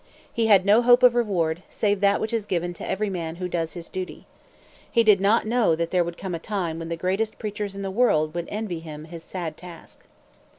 He had no hope of reward, save that which is given to every man who does his duty. He did not know that there would come a time when the greatest preachers in the world would envy him his sad task.